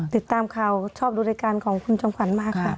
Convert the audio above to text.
ติดตามข่าวชอบดูรายการของคุณจอมขวัญมากค่ะ